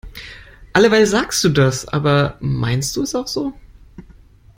Alleweil sagst du das. Aber meinst du es auch so?